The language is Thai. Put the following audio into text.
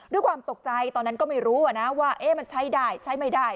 ด้วยความตกใจตอนนั้นก็ไม่รู้นะว่ามันใช้ได้ใช้ไม่ได้